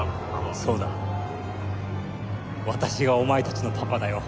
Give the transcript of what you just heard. そうだ私がお前達のパパだよ